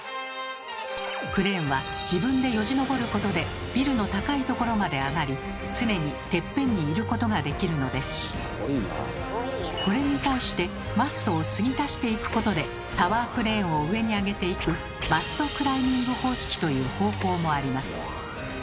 クレーンは自分でよじ登ることでビルの高いところまで上がりこれに対してマストを継ぎ足していくことでタワークレーンを上にあげていく「マストクライミング方式」という方法もあります。